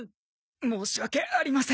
申し訳ありません。